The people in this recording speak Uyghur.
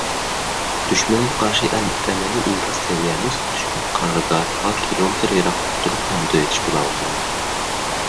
دۈشمەنگە قارشى ئەڭ ئەمەلىي ئىنكاس سەۋىيەمىز دۈشمەن قارارگاھىغا كىلومېتىر يىراقلىقىدا تۇرۇپ «پەمىدۇر ئېتىش» بولۇۋاتىدۇ.